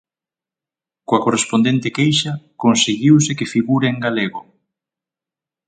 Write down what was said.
Coa correspondente queixa, conseguiuse que figure en galego.